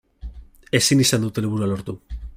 Ezin izan dut helburua lortu.